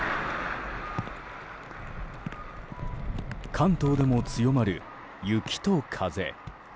関東でも強まる雪と風。